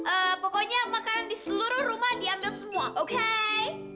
eee pokoknya makanan di seluruh rumah diambil semua oke